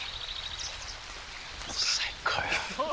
最高よ。